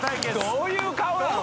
どういう顔なの？